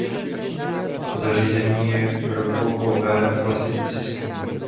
Zařízení je rokokové a klasicistní.